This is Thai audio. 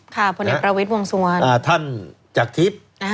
ค่ะพ่อเนี้ยประวิทย์วงสวนอ่าท่านจักทิศ